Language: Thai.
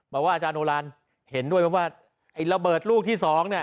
บอกว่าอาจารย์โอลานเห็นด้วยว่าไอ้ระเบิดลูกที่๒